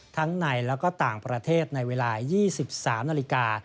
ทั้งในและก็ต่างประเทศในเวลา๒๓นาฬิกา